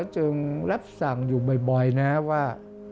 จึงรับสั่งอยู่บ่อยนะว่า